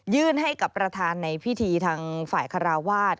ให้กับประธานในพิธีทางฝ่ายคาราวาส